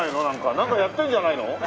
なんかやってんじゃないの？